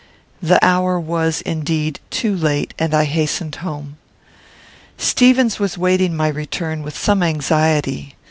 The hour was, indeed, too late, and I hastened home. Stevens was waiting my return with some anxiety.